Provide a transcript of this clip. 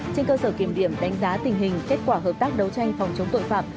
trên cơ sở kiểm điểm đánh giá tình hình kết quả hợp tác đấu tranh phòng chống tội phạm